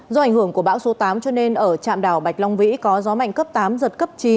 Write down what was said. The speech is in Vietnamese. do ảnh hưởng của bão số tám cho nên ở trạm đảo bạch long vĩ có gió mạnh cấp tám giật cấp chín